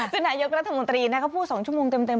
ซึ่งนายกรัฐมนตรีก็พูด๒ชั่วโมงเต็ม